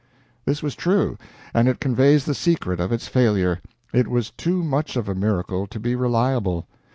This was true, and it conveys the secret of its failure. It was too much of a miracle to be reliable.